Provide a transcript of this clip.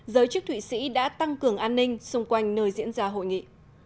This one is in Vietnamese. giới chức thụy sĩ đã tăng cường an ninh xung quanh nơi diễn ra hội nghị